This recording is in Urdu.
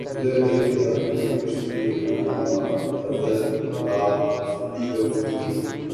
ادھر ایک حرف کہ کشتنی یہاں لاکھ عذر تھا گفتنی